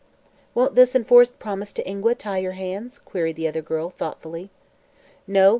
"Won't this enforced promise to Ingua tie your hands?" queried the other girl, thoughtfully. "No.